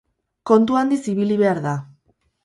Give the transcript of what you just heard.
Kontu handiz ibili behar da.